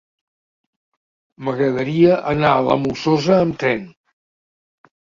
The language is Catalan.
M'agradaria anar a la Molsosa amb tren.